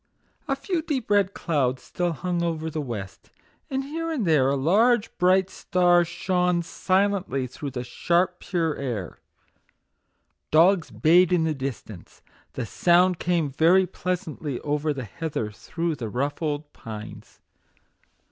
A few deep red clouds still hung over the west, and here and there a large bright star shone silently through the sharp, pure air. Dogs bayed in the dis tance; the sound came very pleasantly over the heather through the rough old pines.